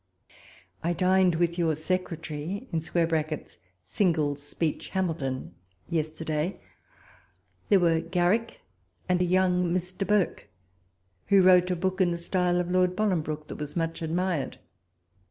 I dined with your secretary [Single speech Hamilton] yesterday ; there were Garrick and a voung Mr. Burke— who wrote a book in the style of Lord Bolingbroke, that was much admired.